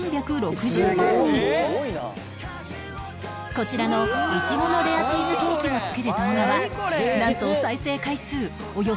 こちらのイチゴのレアチーズケーキを作る動画はなんと